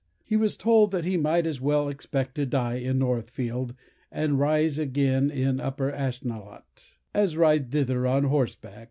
He was told 'that he might as well expect to die in Northfield and rise again in Upper Ashnelot, as ride thither on horseback.